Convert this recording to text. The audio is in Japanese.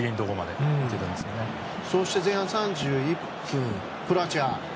そして前半３１分クロアチア。